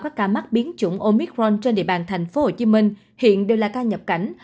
các ca mắc biến chủng omitforn trên địa bàn tp hcm hiện đều là ca nhập cảnh